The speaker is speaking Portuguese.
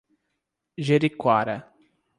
Jeriquara